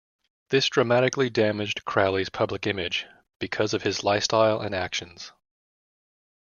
This dramatically damaged Crowley's public image, because of his lifestyle and actions.